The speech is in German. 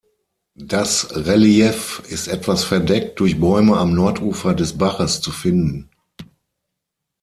Das Relief ist etwas verdeckt durch Bäume am Nordufer des Baches zu finden.